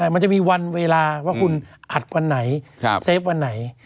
มันจะมีวันเวลาว่าคุณอัดวันไหนเซฟวันไหน